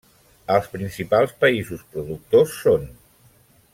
Els principals països productors són: